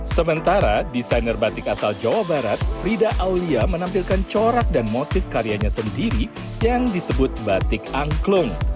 sementara desainer batik asal jawa barat rida aulia menampilkan corak dan motif karyanya sendiri yang disebut batik angklung